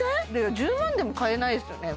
１０万でも買えないですよね